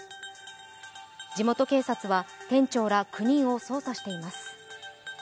地元警察は店長ら９人を捜査しています。